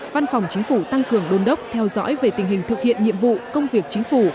văn phòng chính phủ tăng cường đôn đốc theo dõi về tình hình thực hiện nhiệm vụ công việc chính phủ